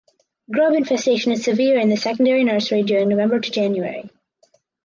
Grub infestation is severe in the secondary nursery during November to January.